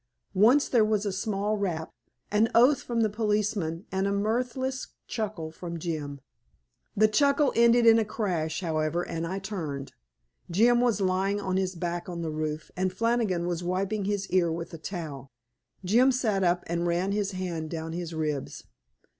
Once there was a smart rap, an oath from the policeman, and a mirthless chuckle from Jim. The chuckle ended in a crash, however, and I turned. Jim was lying on his back on the roof, and Flannigan was wiping his ear with a towel. Jim sat up and ran his hand down his ribs.